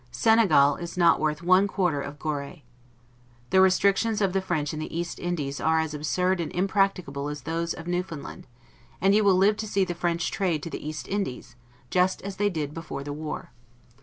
Senegal is not worth one quarter of Goree. The restrictions of the French in the East Indies are as absurd and impracticable as those of Newfoundland; and you will live to see the French trade to the East Indies, just as they did before the war.